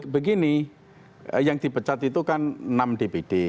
begini yang dipecat itu kan enam dpd